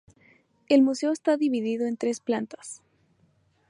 El museo está dividido en tres plantas.